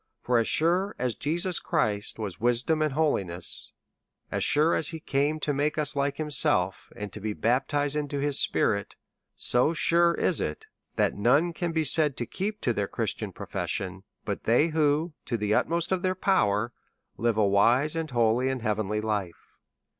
For as siire as Jesus Christ was wisdom and holiness, as sure as he came to make us like himself, and to be baptized in his spirit, so sure it is that none can be said to keep to their Christian profession but those who, to the utmost of their power, live a wise, holy, and heavenly life.